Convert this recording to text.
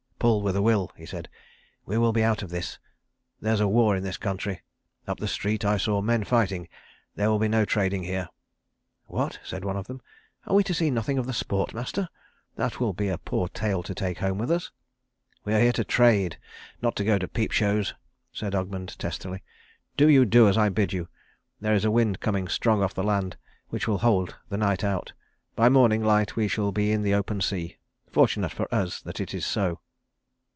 "Pull with a will," he said; "we will be out of this. There's war in this country. Up the street I saw men fighting. There will be no trading here." "What," said one of them, "are we to see nothing of the sport, master? That will be a poor tale to take home with us." "We are here to trade, not to go to peep shows," said Ogmund testily. "Do you do as I bid you. There is a wind coming strong off the land which will hold the night out. By morning light we shall be in the open sea. Fortunate for us that it is so."